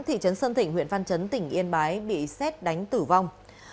thị trấn sơn thịnh huyện văn chấn tỉnh yên bái bị xét đánh tử vong